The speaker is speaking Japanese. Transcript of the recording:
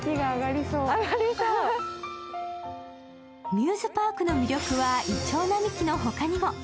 ミューズパークの魅力はいちょう並木のほかにも。